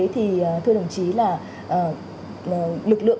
thì thưa đồng chí là lực lượng